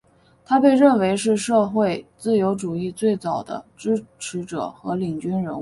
他被认为是社会自由主义最早的支持者与领军人物。